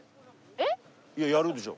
えっ？いややるでしょ。